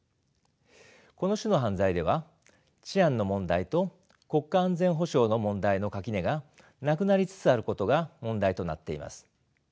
この種の犯罪では治安の問題と国家安全保障の問題の垣根がなくなりつつあることが問題となっています。